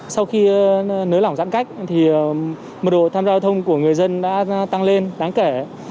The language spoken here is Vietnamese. sau khi nới lỏng giãn cách đội tham gia giao thông của người dân đã tăng lên đáng kể